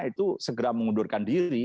itu segera mengundurkan diri